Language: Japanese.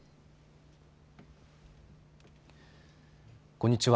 こんにちは。